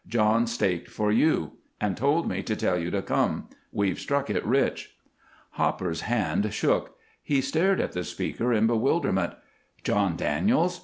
John staked for you, and told me to tell you to come. We've struck it rich." Hopper's hand shook; he stared at the speaker in bewilderment. "John Daniels?